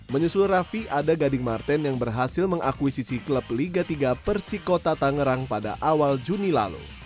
menyusul raffi ada gading martin yang berhasil mengakuisisi klub liga tiga persikota tangerang pada awal juni lalu